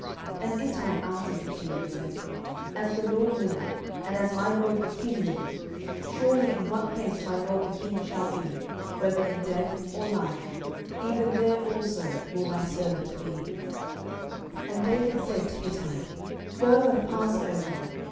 10:015:021 And Ittai answered the king, and said, As the LORD liveth, and as my lord the king liveth, surely in what place my lord the king shall be, whether in death or life, even there also will thy servant be. 10:015:022 And David said to Ittai, Go and pass over.